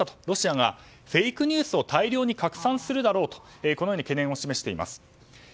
ロシアがフェイクニュースを大量に拡散するだろうとこのように懸念を示しています。